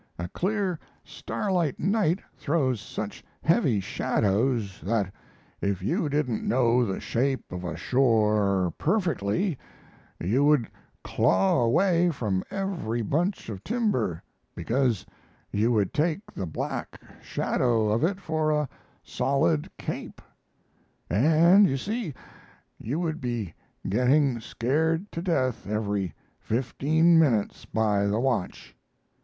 A clear starlight night throws such heavy shadows that, if you didn't know the shape of a shore perfectly, you would claw away from every bunch of timber, because you would take the black shadow of it for a solid cape; and, you see, you would be getting scared to death every fifteen minutes by the watch.